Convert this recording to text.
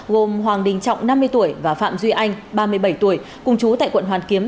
gồm hoàng đình trọng năm mươi tuổi và phạm duy anh ba mươi bảy tuổi cùng chú tại quận hoàn kiếm